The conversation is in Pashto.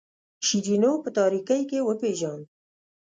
شیرینو په تاریکۍ کې وپیژاند.